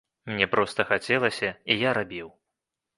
Мне проста хацелася, і я рабіў.